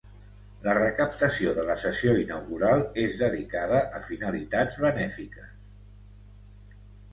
La recaptació de la sessió inaugural és dedicada a finalitats benèfiques.